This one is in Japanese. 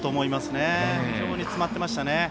非常に詰まってましたね。